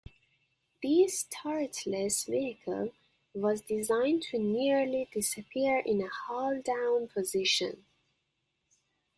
This turretless vehicle was designed to nearly disappear in a hull-down position.